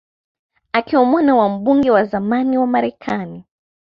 Akiwa mwana wa mbunge wa zamani wa Marekani